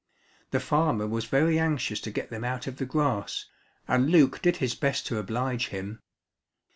The farmer was very anxious to get them out of the grass, and Luke did his best to oblige him.